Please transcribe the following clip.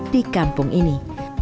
di kampung ini